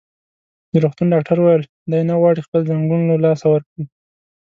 د روغتون ډاکټر وویل: دی نه غواړي خپل ځنګون له لاسه ورکړي.